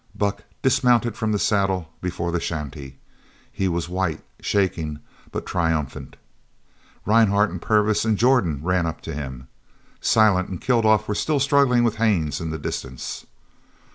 Buck dismounted from the saddle before the shanty. He was white, shaking, but triumphant. Rhinehart and Purvis and Jordan ran up to him. Silent and Kilduff were still struggling with Haines in the distance.